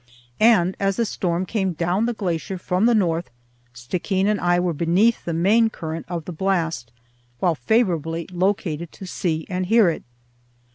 And as the storm came down the glacier from the north, Stickeen and I were beneath the main current of the blast, while favorably located to see and hear it.